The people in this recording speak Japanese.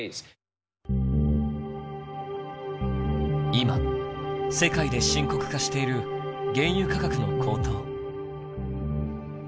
今世界で深刻化している原油価格の高騰。